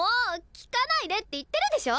聞かないでって言ってるでしょ！